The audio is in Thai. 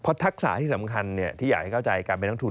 ทักษะที่สำคัญที่อยากให้เข้าใจการเป็นนักทุน